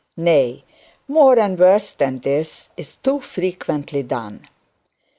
Nay, more, and worse than this, is too frequently done.